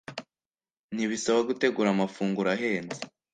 ntibisaba gutegura amafunguro ahenze